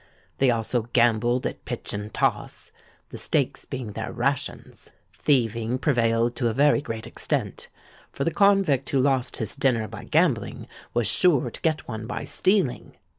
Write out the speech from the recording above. They also gambled at pitch and toss, the stakes being their rations. Thieving prevailed to a very great extent; for the convict who lost his dinner by gambling, was sure to get one by stealing.